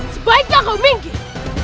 sebaiknya kau minggir